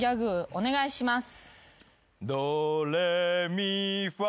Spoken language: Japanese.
お願いします。